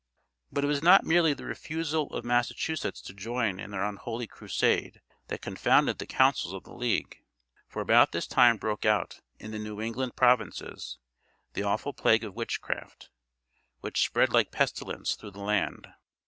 But it was not merely the refusal of Massachusetts to join in their unholy crusade that confounded the councils of the league; for about this time broke out in the New England provinces the awful plague of witchcraft, which spread like pestilence through the land.